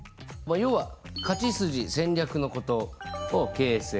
要は勝ち筋戦略のことをＫＳＦ。